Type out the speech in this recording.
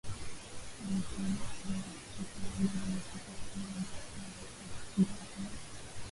la ufaransa lina kichwa cha habari mustakabali wa baadaye wa cote de voire